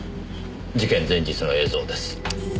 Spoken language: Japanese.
事件前日の映像です。